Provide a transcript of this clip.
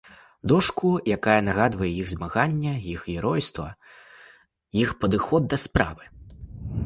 Дошку, якая нагадвае іх змаганне, іх геройства, іх падыход да справы.